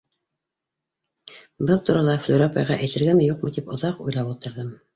Был турала Флүрә апайға әйтергәме-юҡмы тип оҙаҡ уйлап ултырҙым.